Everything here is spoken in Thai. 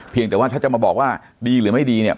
แต่ว่าถ้าจะมาบอกว่าดีหรือไม่ดีเนี่ย